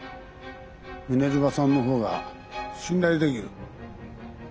ミネルヴァさんの方が信頼できる。